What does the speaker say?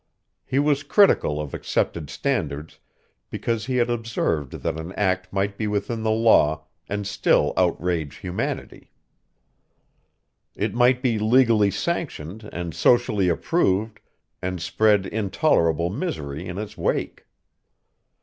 He was critical of accepted standards because he had observed that an act might be within the law and still outrage humanity; it might be legally sanctioned and socially approved and spread intolerable misery in its wake.